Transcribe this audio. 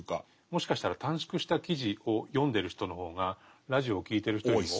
もしかしたら短縮した記事を読んでる人の方がラジオを聴いてる人よりも。